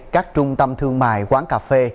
các trung tâm thương mại quán cà phê